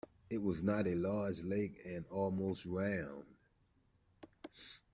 It was not a large lake, and almost round.